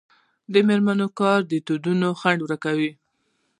د میرمنو کار د ودونو ځنډ ورکوي.